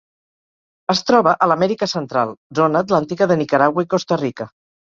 Es troba a l'Amèrica Central: zona atlàntica de Nicaragua i Costa Rica.